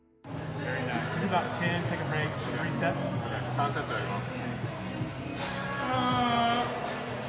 ３セットやります